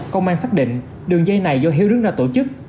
công an xác định đường dây này do hiếu đứng ra tổ chức